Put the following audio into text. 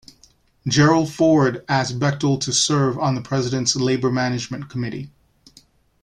Gerald Ford asked Bechtel to serve on the President's Labor-Management Committee.